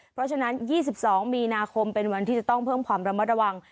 เพราะฉะนั้น๒๒มีนาคมเป็นวันที่จะต้องเพิ่มความระมัดระวัง